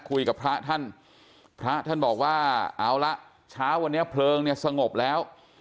คุยกับพระท่านพระท่านบอกว่าเอาละเช้าวันนี้เพลิงเนี่ยสงบแล้ว